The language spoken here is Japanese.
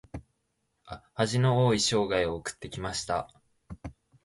恥の多い生涯を送ってきました。